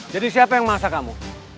jadi siapa yang mengasah kamu